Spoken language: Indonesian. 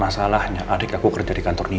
masalahnya adik aku kerja di kantor ini